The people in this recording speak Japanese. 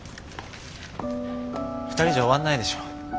２人じゃ終わんないでしょ。